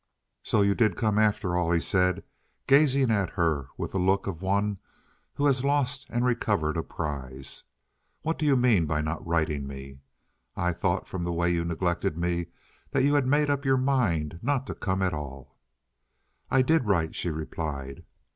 "So you did come after all," he said, gazing at her with the look of one who has lost and recovered a prize. "What do you mean by not writing me? I thought from the way you neglected me that you had made up your mind not to come at all." "I did write," she replied.